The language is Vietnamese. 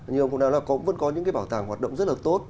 nhiều công tác vẫn có những cái bảo tàng hoạt động rất là tốt